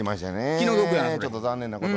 気の毒やなそれ。